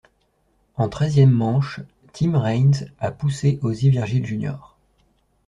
En treizième manche, Tim Raines a poussé Ozzie Virgil Jr.